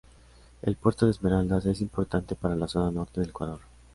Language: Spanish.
El puerto de Esmeraldas es importante para la zona norte del Ecuador.